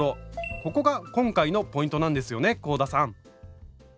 ここが今回のポイントなんですよね香田さん！